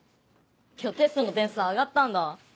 今日テストの点数上がったんだ。